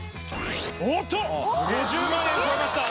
おっと、５０万円超えました。